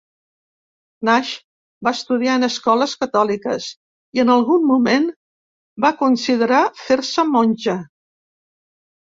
Nash va estudiar en escoles catòliques, i en algun moment va considerar fer-se monja.